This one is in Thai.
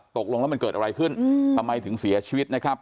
ตกลงแล้วมันเกิดอะไรขึ้นทำไมถึงเสียชีวิตนะครับ